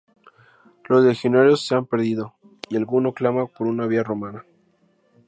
Los legionarios se han perdido, y alguno clama por una vía romana.